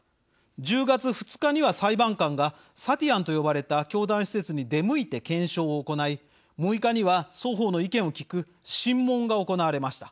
１０月２日には裁判官がサティアンと呼ばれた教団施設に出向いて検証を行い６日には双方の意見を聞く審問が行われました。